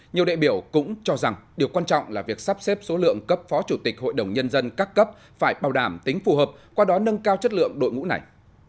nhiều đại biểu cũng cho rằng điều quan trọng là việc sắp xếp số lượng cấp phó chủ tịch hội đồng nhân dân các cấp phải bảo đảm tính phù hợp qua đó nâng cao chất lượng đội ngũ này